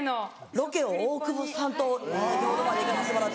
ロケを大久保さんと先ほどまで行かせてもらって。